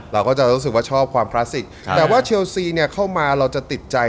เราก็จะรู้สึกว่าชอบความคลาสสิกแต่ว่าเชลซีเนี่ยเข้ามาเราจะติดใจ